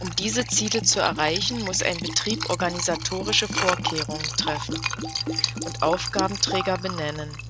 Um diese Ziele zu erreichen, muss ein Betrieb organisatorische Vorkehrungen treffen und Aufgabenträger benennen.